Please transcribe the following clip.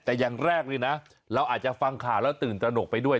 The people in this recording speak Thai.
แต่อย่างแรกเลยนะเราอาจจะฟังข่าวแล้วตื่นตระหนกไปด้วย